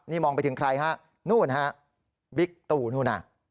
นี่มองไปถึงใครฮะนู่นฮะบิ๊กตู่นู่นน่ะ